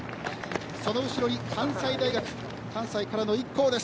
その後ろに関西大学関西から１校です。